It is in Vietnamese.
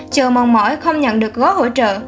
chờ mòn mỏi không nhận được gói hỗ trợ